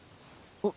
あっ。